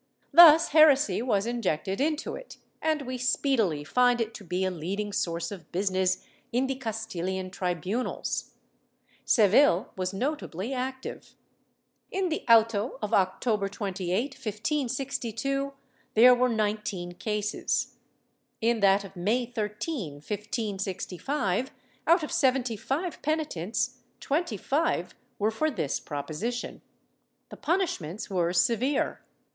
^ Thus heresy was injected into it and we speedily find it to be a leading source of business in the Castilian tribunals. Seville was notably active. In the auto of October 28, 1562, there were nineteen cases.^ In that of May 13, 1565, out of seventy five penitents, twenty five were for this proposition. The punish ments were severe.